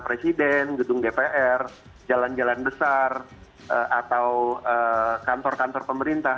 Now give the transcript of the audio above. presiden gedung dpr jalan jalan besar atau kantor kantor pemerintah